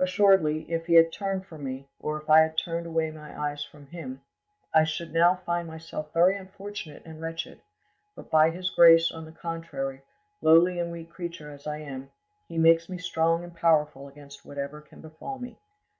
Assuredly, if He had turned from me, or if I had turned away my eyes from Him, I should now find myself very unfortunate and wretched; but by His grace, on the contrary, lowly and weak creature as I am, He makes me strong and powerful against whatever can befall me.